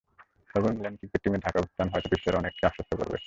তবে England cricket টিমের ঢাকায় অবস্থান হয়তো বিশ্বের অনেককেই আশ্বস্ত করবে।